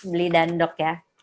beli dan dok ya